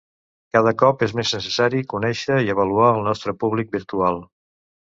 Cada cop és més necessari conèixer i avaluar el nostre públic virtual.